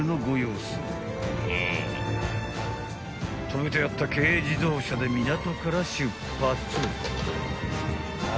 ［止めてあった軽自動車で港から出発］